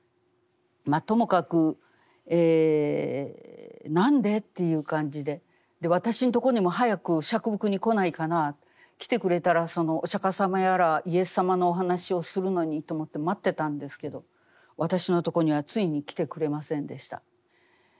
ともかく何で？という感じで私のところにも早く折伏に来ないかな来てくれたらお釈迦様やらイエス様のお話をするのにと思って待ってたんですけど私のところにはついに来てくれませんでした。